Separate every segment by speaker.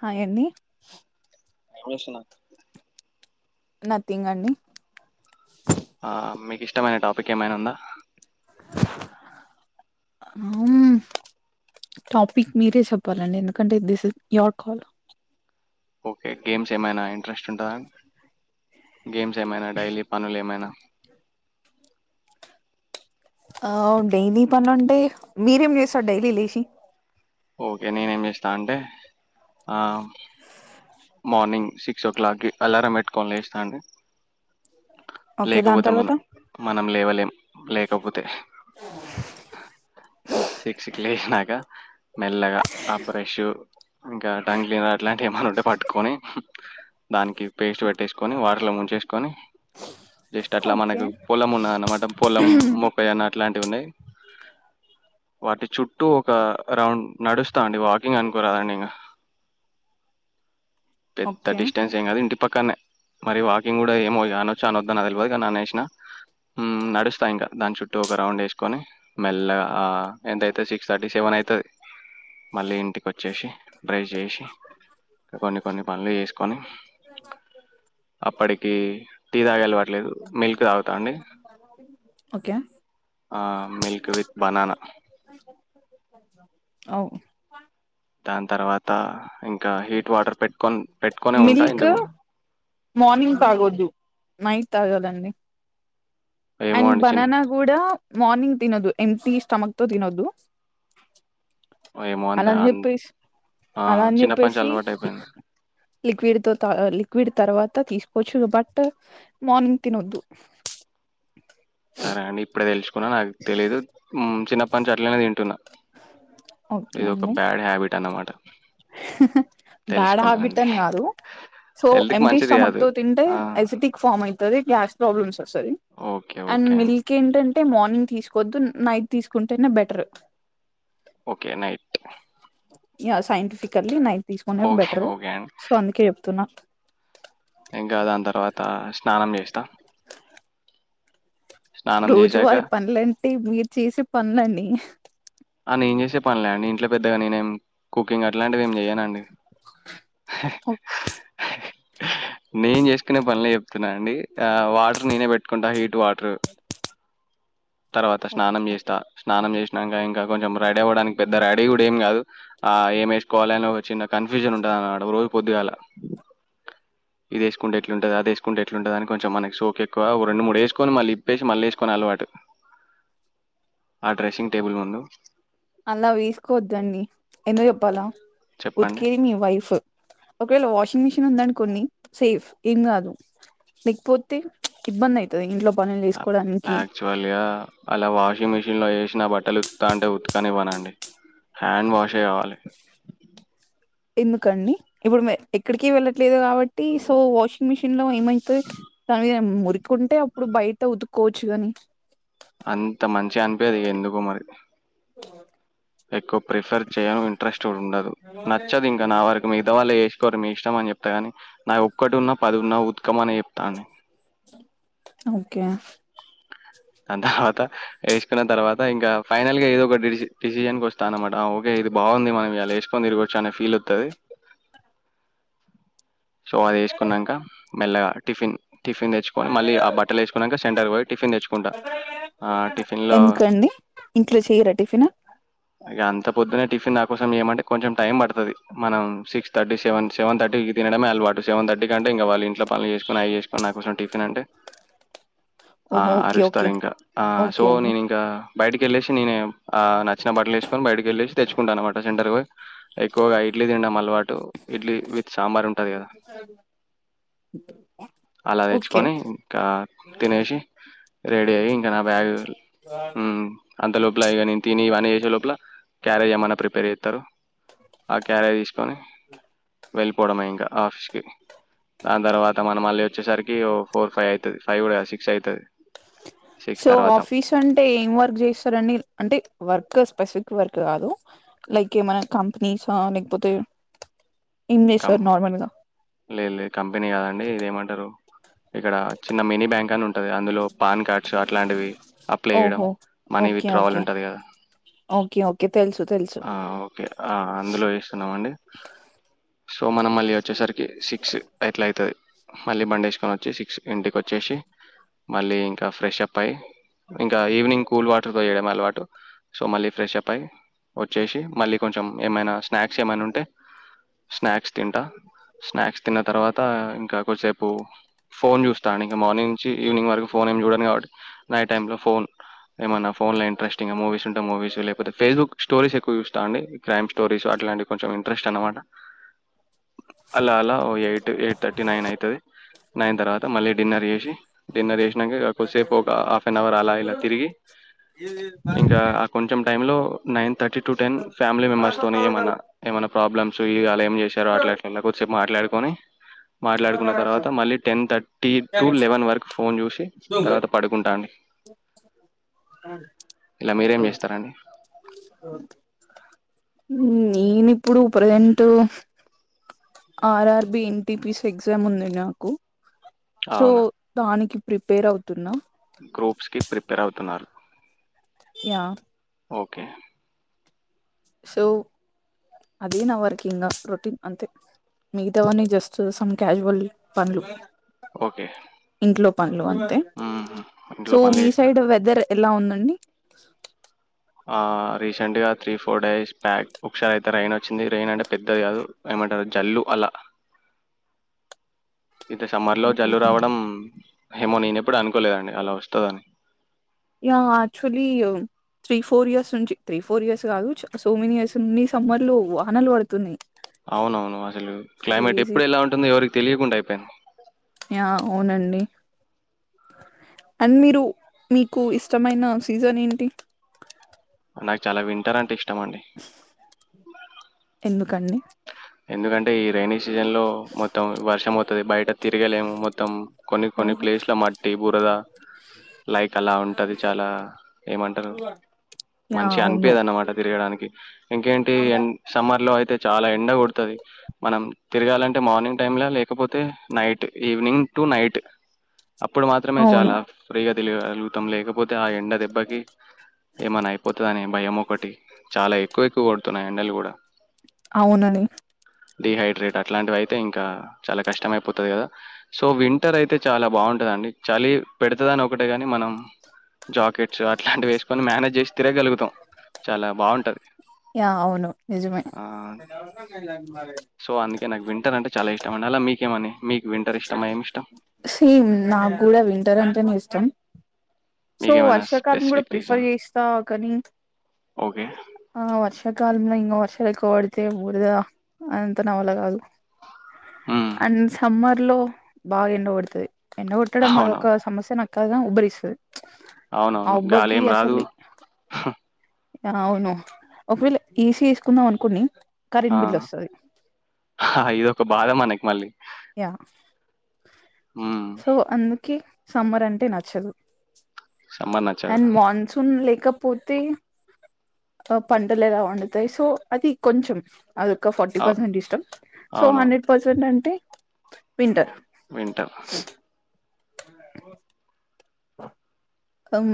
Speaker 1: Hi అండి
Speaker 2: మిషనా
Speaker 1: nothing అండి
Speaker 2: మీకు ఇష్టమైన టాపిక్ ఏమైనా ఉందా
Speaker 1: హుటాపిక్ మీరే చెప్పాలండి ఎందుకంటే this is your call
Speaker 2: okay games ఏమైనా ఇంట్రెస్ట్ ఉందా గేమ్స్ ఏమైనా డైలీ పనులు ఏమైనా
Speaker 1: ఆ డైలీ పని అంటే మీరేం చేస్తారు డైలీ లేచి
Speaker 2: ఓకే నేనే ఏం చేస్తా అంటే మార్నింగ్ సిక్స్ ఓ క్లాక్కిి అలారం పెట్టుకోని లేస్తా అండి
Speaker 1: ఓకే దాని
Speaker 2: లేకపోతే
Speaker 1: తర్వాత
Speaker 2: మనం మనం లేవల ఏం లేకపోతే సిక్సీకి లేశినాకా మెల్లగా ఆ బ్రష్ ఇంకా టంగ్ క్లీనర్ అట్లాంటివి ఏమన్నా ఉంటే పట్టుకొని దానికి పేస్ట్ పెట్టేసుకొని వా టర్ లో ముంచేసుకొని జస్ట్ అట్లా
Speaker 1: ఓకే
Speaker 2: మనకు పొలం ఉన్నదన్నమాట పొలం మొక్కై అన్న ఇట్లాంటివి ఉన్నాయి వాటి చుట్టూ ఒక రౌండ్ నడుస్తా అండి వాకింగ్ అనుకోరాదండి ఇంగ పెద్ద
Speaker 1: ఓకే
Speaker 2: డిస్టెన్స్ ఏం కాదు ఇంటి పక్కనే మరి వాకింగ్ కూడా ఏమో అనొచ్చా అనొద్దో నాకు తెలవది కానీ అనేసినా ఉం నడుస్తా ఇంకా దాని చుట్టూ ఒక రౌండ్ వేసుకొని మెల్లగా ఆ ఎంతైతే సిక్స్ థర్టీ సెవెన్ అయితే మళ్ళీ ఇంటికి వచ్చేసి బ్రెష్ చేసి కొన్ని కొన్ని పనులు చేసుకొని అప్పటికి టీ తాగేఅలవాట్లేదు మిల్క్ తాగుతా అండి
Speaker 1: okay
Speaker 2: milk with banana
Speaker 1: okay
Speaker 2: దాని తర్వాత ఇంకా హీట్ వాటర్ పెట్ కొన్ పెట్టుకొనే ఉంటాయి
Speaker 1: మిల్క్
Speaker 2: ఇంతకు
Speaker 1: మార్నింగ్ తాగొద్దు నైట్ తాగాలండి
Speaker 2: ఏమో
Speaker 1: అండ్
Speaker 2: అండి చిన్
Speaker 1: బనానా కూడా మార్నింగ్ తినొద్దు ఎమ్ప్టీ స్టమక్ తో తినొద్దు
Speaker 2: ఏమో అంత
Speaker 1: అలా అని
Speaker 2: అంత
Speaker 1: చెప్పేస్
Speaker 2: ఆ!
Speaker 1: అలా అని
Speaker 2: చిన్నప్పటి నుంచి
Speaker 1: చెప్పేసి
Speaker 2: అలవాటయిపోయింది.
Speaker 1: లిక్విడ్ తో తా అ అ లిక్విడ్ తర్వాత తీసుకోవచ్చు బట్ మార్నింగ్ తినొద్దు
Speaker 2: సరే అండీ ఇప్పుడే తెలుసుకో కున నాకు తెలీదు ఉమ్ చిన్నప్పటి నుంచి అట్లనే తింటు
Speaker 1: ఓకే అండి
Speaker 2: బ్యాడ్ హ్యాబిట్ అన్నమాట.
Speaker 1: బ్యాడ్
Speaker 2: తెలుసుకున్నా
Speaker 1: హ్యాబిట్
Speaker 2: అండి.
Speaker 1: అని కాదు సో
Speaker 2: హెల్త్‌కి
Speaker 1: ఎమ్టీ
Speaker 2: మంచిది
Speaker 1: స్టమక్
Speaker 2: కాదు.
Speaker 1: తో తింటే
Speaker 2: ఆ!
Speaker 1: ఎసెటిక్ ఫామ్ అయితది గ్యాస్ ప్రాబ్లమ్స్ స్తది
Speaker 2: ఓకే.
Speaker 1: అండ్
Speaker 2: ఓకే అండి.
Speaker 1: మిల్క్ ఏంటం టే మార్నింగ్ తీసుకోద్దు నైట్ తీసుకుంటేనే better
Speaker 2: okay night
Speaker 1: yeah scientifically నై తీసుకునే
Speaker 2: ఓకే.
Speaker 1: బెటర్
Speaker 2: ఓకే అండి.
Speaker 1: సో అందుకే చెప్ తున
Speaker 2: ఇంకా దాన్ తర్వాత స్నానం చేసిన్నా స్నానం చేశాక
Speaker 1: రోజువారి పనులంటే మీరు చేసే పనులండి
Speaker 2: ఆ నేను చేసే పనులే అండి ఇంట్లో పెద్దగా నేనేం కుకింగ్ అట్లాంటిది ఏం చేయనండి. నేను చేసుకునే పనులే చెప్తున్నా అండి ఆ వాటర్ నేనే పెట్టుకుంటా హీట్ వాటర్ తర్వాత స్నానం చేస్తా స్నానం చేసినాంక ఇంకా కొంచెం రెడీ అవ్వడానికి పెద్ద రెడీ కూడా ఏమి కాదు ఆ ఏమేసుకోవాలి అని ఒక చిన్న కన్ఫ్యూజన్ ఉంటది అన్నమాట రోజు పొద్దుగాలా ఇదేసుకుంటే ఎట్లుంటుది, అదేసుకుంటే ఎట్లుంటది అని కొంచెం మనకి సోకు ఎక్కువ. ఓ రెండు మూడు యేసుకొని మళ్ళీ ఇప్పేసి, మళ్ళీ యేసుకుని అలవాటు ఆ డ్రెస్సింగ్ టేబుల్ ముందు.
Speaker 1: అలా వేసుకోవద్దండి ఎందుకు చెప్పాలా
Speaker 2: చెప్పండి
Speaker 1: ఉతికేది మీ వైఫు ఒకవేళ వాషింగ్ మిషిన్ ఉందనుకొండి, సేఫ్ ఏం కాదు. లేకపోతే ఇబ్బంది అయితది ఇంట్లో పనులు చేసుకోవడానికి
Speaker 2: యాక్చువల్గా అలా వాషింగ్ మిషన్ లో యేసిన బట్టలు ఉతుకుతా అంటే ఉతుకనివ్వనండి హ్యాండ్ వాషే కావాలి
Speaker 1: ఎందుకండి ఇప్పుడు ఎక్కడికి వెళ్ళట్లేదు కాబట్టి సో వాషింగ్ మిషిన్ లో ఏమైతది [unintelligible] మురికుంటే అప్పుడు బయట ఉతుక్కోవొచ్చు గాని
Speaker 2: అంత మంచిగ అనిపియది ఎందుకో మరి ఎక్కు ప్రిఫర్ చేయను ఇంట్రెస్ట్ కూడా ఉండదు నచ్చదు ఇంకా నా వరకి మిగతా వాళ్ళయ్ ఏసుకోరీ మీ ఇష్టం అని చెప్తాగాని నాది ఒక్కటి ఉన్నా పది ఉన్నా ఉతకమనే చెప్తా అండి
Speaker 1: ఓకే
Speaker 2: దాన్ తర్వాత ఎస్కున తర్వాత ఇంకా ఫైనల్ గా ఏదో ఒకటి ఇడిసి డిసిషన్ కి వస్తా అన్నమాట ఆ ఓకే ఇది బాగుంది మనం ఇయాలా యేసుకొని తిరిగొచ్చు అనే ఫీల్ ఒత్తది సో అది యేసుకున్నాంక మెల్లగా టిఫిన్ టిఫిన్ తెచ్చుకొని మళ్ళీ ఆ బట్టలు యేసుకున్నాంక సెంటర్ కి పొయ్ టిఫన్ తెచ్
Speaker 1: ఎందుకండి ఇంట్లో చెయ్యరా టిఫిను
Speaker 2: ఇగ అంత పొద్దునే టిఫిన్ నా కోసం చేయమంటే కొంచెం టైం పడతది మనం సిక్స్ థర్టీ సెవెన్ సెవెన్ థర్టీకి తినడమే అలవాటు సెవెన్ థటీ కి అంటే ఇంకా వాళ్ళు ఇంట్లో పనులు చేసుకోని అయి చేసుకోని నాకోసం టిఫిన్ అంటే ఆ
Speaker 1: ఓహో
Speaker 2: అరు
Speaker 1: ఓకే
Speaker 2: వస్తారు
Speaker 1: ఓకే
Speaker 2: ఇంకా ఆ సో
Speaker 1: ఓకే అండి
Speaker 2: నేను ఇంకా బయటకళ్ళసి నేను ఆ నచ్చిన బట్టలు వేసుకొని బయటకి వెళ్ళేసి తెచ్చుకుంటానన్నమాట సెంటర్ ఎక్కువగా ఇడ్లీ తింటమ్ అలవాటు ఇడ్లీ వి అలా
Speaker 1: ఓకే
Speaker 2: తెచ్చుకొని ఇంకా తినేసి రెడీ అయ్యి ఇంకా నా బ్యాగు్ అంత లోపలయగాని తిని వానీ వష లోపలా క్యారేజ ఏమన్నా ప్రిపేర్ అస్తారు ఆ క్యారీ తీసుకొని వెళ్ళిపోవడం ఇంకా ఆఫీస్ కి దాని తర్వాత మనం మళ్ళీ వచ్చేసరికి ఓ ఫోర్ ఫైవ్ అవుతుంది ఫైవ్ కూడా సిక్స్ అవుతుంది
Speaker 1: సో ఆఫీస్ అంటే ఏం వర్క్ చేస్తారండి అంటే వర్క్ ఇ స్పెసిఫిక్ వర్క్ కాదు లైక్ ఏమై కంపెనీస్ లేకపోతే ఏం
Speaker 2: కం
Speaker 1: చేస్తారు నార్మల్ గా
Speaker 2: లేదు లేదు కంపెనీ కాదండి ఇది ఏమంటారు ఇక్కడ చిన్న మినీ బ్యాంక్ అని ఉం అందులో పాన్ కార్డ్స్ అట్లాంటివి అప్ల చేయడం
Speaker 1: ఓహో
Speaker 2: మనీ
Speaker 1: ఓకే
Speaker 2: విత్‌డ్రావల్
Speaker 1: ఓకే
Speaker 2: ఉంటంది కదా
Speaker 1: ఓకే ఓకే తెలుసు తెలుసు
Speaker 2: ఆహ్ ఓకే అందులో చేస్తున్నామండి సో మనం మళ్ళీ వచ్చేసరికి సిక్స్ ఎట్లా ఐతది మళ్ళీ బండేసుకొనివచ్చి సిక్స్ ఇంటికి వచ్చేసి మళ్ళీ ఇంకా ఫ్రెషప్ ఐ ఇంకా ఈవినింగ్ కూల్ వాటర్తో చేయడం అలవాటు సో మళ్ళీ ఫ్రెషప్ ఐ వచ్చేసి మళ్ళీ కొంచెం ఏమైనా స్నాక్స్ ఏమైనా ఉంటే స్నాక్స్ తింటా స్నాక్స్ తిన్న తర్వాత ఇంకా కొద్దిసేపు ఫోన్ చూస్తా ఇంకా మార్నింగ్ నుంచి ఈవినింగ్ వరకు ఫోన్ ఏం చూడను కాబట్టి నైట్ టైంలో ఫోన్ ఎమో నా ఫోన్ లో ఇంట్రెస్టింగ్‌గా మూవి కాంటే మూవీస్ లేపోతేే ఫేస్‌బుక్ స్టోరీస్ ఎక్కువ చూస్తా అండి కైమ్ స్టోరీస్ అట్లాంటివి కొంచం ఇంట్రెస్ట్ అనమాట అలా అలా ఓ ఎయిట్ ఎయిట్ థర్టీ నైన్ అయితది. నైన్ తర్వాత మళ్ళీ డిన్నర్ చేసి డిన్నర్ చేసి కొద్దిసేపు ఒక హాఫ్ అన్ అవర్ అలా ఇలా తిరిగి ఇంకా ఆ కొంచెం టైమ్‌లో nine thirty to ten family members తోని ఏమన్నా ఏమన్నా ప్రాబ్లమ్ సో ఈ ఆలయం ఎమ్ చేశారో అట్లా అట్లా చెప్ మాట్లాడుకోని మాట్లాడుకున్న తర్వాత మళ్ళీ టెన్థర్టీ టు లెవెన్ వరకు ఫోన్ చూసి తర్వాత పడుకుంటా అండి ఇలా మీరేం చేస్తారండి
Speaker 1: నేను ఇప్పుడు ప్రెజెంటు ఆర్ఆర్బి ఎన్‌టిపిసి ఎగ్జామ్ ఉంది నాకు సో
Speaker 2: అవునా
Speaker 1: దానికి ప్రిపేర్ అవుతున్నం
Speaker 2: గ్రూప్స్ కి ప్రిపెర్ అవుతున్నారు
Speaker 1: యా
Speaker 2: ఓకే
Speaker 1: సో అదే నా వర్క్ ఇంగా రొటీన్ అంతే మిగతావన్నీ జస్ట్ సమ్ క్యాజువలీ పనులు
Speaker 2: ఓకే
Speaker 1: ఇంట్లో పనులు అంతే
Speaker 2: మ్మ్.
Speaker 1: సో
Speaker 2: ఇంట్లో పనులు
Speaker 1: మీ సైడ్
Speaker 2: చేస్తారు
Speaker 1: వెదర్ ఎలా ఉందండి
Speaker 2: ఆ రీసెంట్ గా త్రీ ఫో ఫోర్ డేస్ బ్యాక్ ఒకసారి ఇంత రైన్ వచ్చింది రైన్ అంటే పెద్దది కాదు ఏమంటారు జల్లు అలా ఇంత సమ్మర్ లో జల్లు రావడం ఎమో నేనెప్పుడు అనుకోలేదండి అలా వస్తదని
Speaker 1: yeah actually three four years నుంచి త్రీ ఫోర్ ఇయర్స్ కాదు సో మెనీ ఇయర్స్ నుండి సమ్మర్ లో వానలు పడుతున్నాయి
Speaker 2: అవునవును అసలు క్లైమేట్
Speaker 1: క్రేజీ
Speaker 2: ఎప్పుడు ఎలా ఉంటుందొ ఎవరికి తెలియకుండా అయిపోయింది
Speaker 1: యా అవునండి అండ్ మీరు మీకు ఇష్టమైన సీజన్ ఏంటి
Speaker 2: నాకు చాలా వింటరంటే ఇష్టం అండి
Speaker 1: ఎందుకండి
Speaker 2: ఎందుకంటే ఈ రెైనీ సీజన్ లో మొత్తం వర్షం మొత్ తుది బయట తిరగలేము మొత్తం కొన్ని కొన్ని ప్లేస్ల్ ల మట్టి బురద లైక్ అలా ఉంటది చాలా ఏమంటారు
Speaker 1: యా
Speaker 2: మంచి
Speaker 1: అవును
Speaker 2: అన్పీయదు అన్నమాట తిరగడానికి ఇంకేంటి ఎన్ సమ్మర్ లో అయితే అంటే చాల ఎండ కొడుతుంది మనం తిరగాలంటే మార్నింగ్ టైమ్లా లేకపోతే నైట్ ఈవినింగ్ టు నైట్ అప్పుడు మాత్రమే
Speaker 1: అవును
Speaker 2: చాలా ఫ్రీగా వెలుగ అలుగుతం లేకపోతే ఆ ఎండ దెబ్బకి ఏమన్నా అయిపోతదని భయం ఒకటి చాలా ఎక్కువ ఎక్కువ కొడుతున్నాయి ఎండలు కూడా
Speaker 1: ఔనని
Speaker 2: డిహైడ్రేట్ అట్లాంటివి అయితే ఇంకా చాలా కష్టమయిపోతది కదా సో వింటర్ అయితే చాలా బావుంటదండి చలి పెడతుదని ఒకటే గాని మనం జాకెట్స్ అట్లాంటివి వేసుకొని మేనేజ్ చేసి తిరగగలుగుతాం చాలా బావుంటది
Speaker 1: యా అవును నిజమే
Speaker 2: సో అందుకే నాకు వింటర్ అంటే చాలా ఇష్టం అండి అలా మీకేమని మీకు వింటర్ ఇష్టమా ఏమి ఇష్టం
Speaker 1: సేమ్ నాకు కూడా వింటర్ అంటేనే ఇష్టం సో
Speaker 2: మీకేమైనా
Speaker 1: వర్షాకాలం కూడా
Speaker 2: స్పెసిఫిక్
Speaker 1: ప్రిఫర్
Speaker 2: రీజన్
Speaker 1: చేస్తా కానీ
Speaker 2: ఓకే
Speaker 1: ఆ వర్ష్ ర్షాకాలంలో ఇంగ వర్షాలు ఎక్కువ పడితే బురదా అదంతా నావల్ల కాదు
Speaker 2: ఉమ్,
Speaker 1: అండ్ సమ్మర్ లో బా ఎండ కొడుతది ఎండ కొట్టటడం అదొ ఒక
Speaker 2: అవునవును
Speaker 1: సమస్యన కాదుగా ఉబ్బరిస్తాది
Speaker 2: అవునవును గాలి ఏం రాదు
Speaker 1: అవును ఒకవేళ ఏ సీ వేసుకుందాం అనుకోని
Speaker 2: ఆ ఇదొక బాధ మనకి మళ్ళీ
Speaker 1: యా సో అందుకే సమ్మర్ అంటే నచ్చదు
Speaker 2: సమ్మర్ నచ్చదు
Speaker 1: అండ్ మాన్సూన్ లే ఇకపోతే ఆ పంటలు ఎలా పండుతాయి సో అది కొంచెం అదొక ఫార్టీ
Speaker 2: అవ్-
Speaker 1: పర్సెంట్ ఇష్టం సో
Speaker 2: అవునవును.
Speaker 1: హండ్రెడ్ పర్సెంట్ అంటే వింటర్
Speaker 2: వింటా.
Speaker 1: అం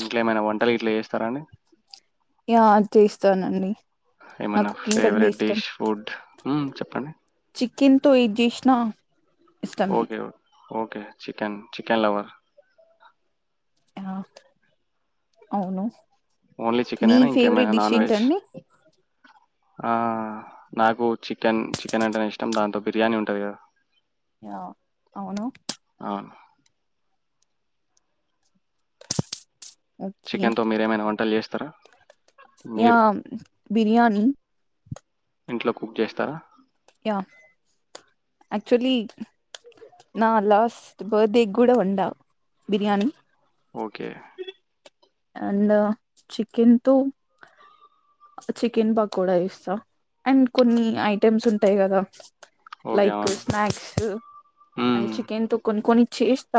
Speaker 2: ఇంట్లో ఏమైనా వంటలు ఇట్లా చేస్తారా అండి
Speaker 1: యా చేస్తానండి
Speaker 2: ఏమైనా
Speaker 1: నాకు కుకింగ్ అంటే
Speaker 2: ఫేవరెట్
Speaker 1: ఇష్టం
Speaker 2: డిష్ ఫుడ్ ఓం చెప్పండి
Speaker 1: చికెన్తో ఎద్ చేసిన
Speaker 2: ఓకేఓ ఓకే చికెన్ చికెన్ లవర్
Speaker 1: ఆ అవును
Speaker 2: ఓన్లీ చికెన్
Speaker 1: మీ
Speaker 2: అయినా
Speaker 1: ఫేవరెట్
Speaker 2: ఇంకేమైనా
Speaker 1: డిష్
Speaker 2: నాన్ వెజ్
Speaker 1: ఏంటండి
Speaker 2: ఆ నాకు చికెన్ చికెన్ అంటే ఇష్టం దాంతో బిర్యానీ ఉంటది కదా
Speaker 1: య అవును
Speaker 2: అవును.
Speaker 1: ఓకే
Speaker 2: చికెన్ తో మీరేమైనా వంటలు చేస్ తర
Speaker 1: యా బిర్యానీ
Speaker 2: ఇంట్లో కుక్ చేస్తారా
Speaker 1: యా యాక్చువలీ నా లాస్ట్ బర్త్డే కూడా వండ బిర్యానీ
Speaker 2: ఓకే
Speaker 1: అండ్ చికెన్ తో చికెన్ పకుడా ఇస్తా అండ్ కొన్ని ఐటెమ్స్ ఉంటాయి కదా
Speaker 2: ఓకే.
Speaker 1: లైక్
Speaker 2: అవును.
Speaker 1: Snacks and
Speaker 2: hmm.
Speaker 1: చికెన్ తో కొన్ని కొని చేస్ త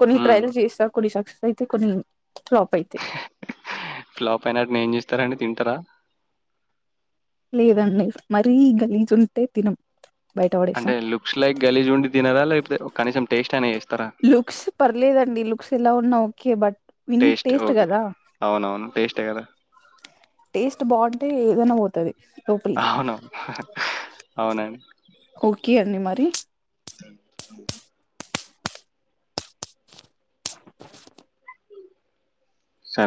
Speaker 1: కొన్ని
Speaker 2: హ్మ్.
Speaker 1: ట్రయల్స్ జెస్తా కొన్ని సక్స్ అయితే కొన్ని ఫ్లాప్ అయితాయి
Speaker 2: ఫ్లాప్ అయినటిని ఏం జేస్తారండి. తిం టరా
Speaker 1: లేదండి. మరీ గలీజు ఉంటే తినం బయట
Speaker 2: అంటే
Speaker 1: పడేస్తాం
Speaker 2: లుక్స్ లైక్ గలీజుండి తినరా లేకపోతే కనీసం టేస్ట్ అని చేస్తారా
Speaker 1: లుక్స్ పర్లేదండి లుక్స్ ఎలా ఉన్నా ఓకే బట్ విని
Speaker 2: టేస్ట్ ఓకే
Speaker 1: కదా
Speaker 2: అవునవును టేస్టే గాదా.
Speaker 1: టేస్ట్ బాగుంటే ఏదైనా పోతది లోపలికి
Speaker 2: అవునవును అవునండి.
Speaker 1: ఓకే అండి మరి
Speaker 2: సో,